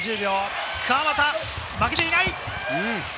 川真田、負けていない！